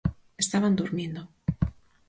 Estaban durmindo.